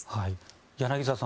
柳澤さん